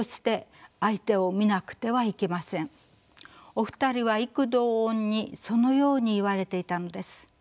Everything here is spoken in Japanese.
お二人は異口同音にそのように言われていたのです。